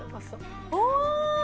お！